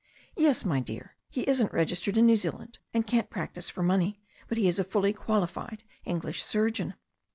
"Yes, my dear. He isn't registered in New Zealand, and can't practise for money, but he is a fully qualified English surgeon.